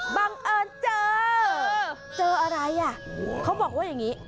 บังเอิญเจอเจออะไรอ่ะเขาบอกว่าอย่างนี้